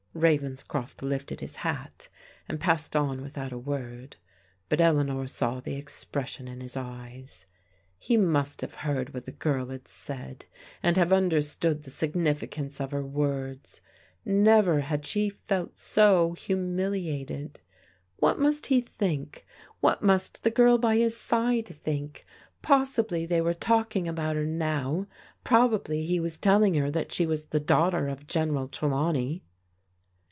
Ravenscroft lifted his hat and passed on without a word, but Eleanor saw the expression in his eyes. He must have heard what the girl had said, and have un derstood the significance of her words, l^evet \vdA ^^ 228 PBODIOAL DAUGHTEBS felt so humiliated What must he think? What must the girl by his side think? Possibly they were taUdng about her now. Probably he was telling her that she was the daughter of General Trelawney.